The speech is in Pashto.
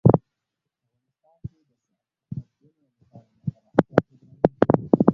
افغانستان کې د سرحدونه لپاره دپرمختیا پروګرامونه شته.